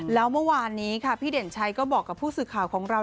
แล้วเมื่อวานนี้ค่ะพี่เด่นชัยก็บอกกับผู้สื่อข่าวของเรา